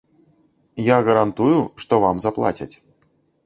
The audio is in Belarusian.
Я гарантую, што вам заплацяць.